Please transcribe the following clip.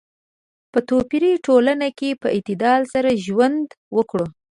په توپیري ټولنه کې په اعتدال سره ژوند وکړو.